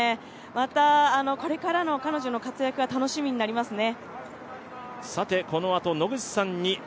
また、これからの彼女の活躍が楽しみになりますね。